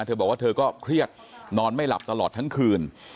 เธอบอกว่าเธอก็เครียดนอนไม่หลับตลอดทั้งคืน